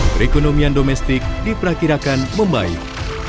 perekonomian domestik diperkirakan membaik